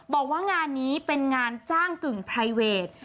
บอกว่างานนี้เป็นงานจ้างกึ่งไพรเวท